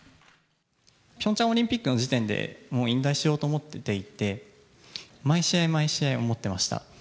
ピョンチャンオリンピックの時点で、もう引退しようと思っていて、毎試合、毎試合、思ってました。